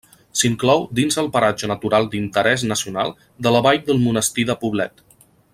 S'inclou dins el paratge natural d'interès nacional de la Vall del Monestir de Poblet.